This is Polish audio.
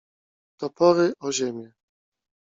Topory o ziemię!